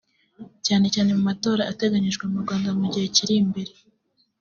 cyane cyane mu matora ateganijwe mu Rwanda mu gihe kiri imbere